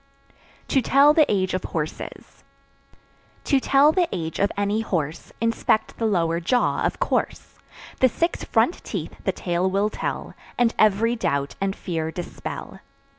To Tell the Age of Horses. To tell the age of any horse, Inspect the lower jaw, of course; The six front teeth the tale will tell, And every doubt and fear dispel.